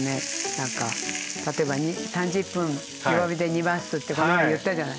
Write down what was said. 何か例えば３０分弱火で煮ますってこの間言ったじゃない。